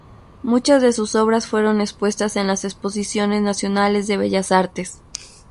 Muchas de sus obras fueron expuestas en las Exposiciones Nacionales de Bellas Artes.